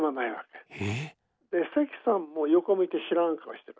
で関さんも横向いて知らん顔してる。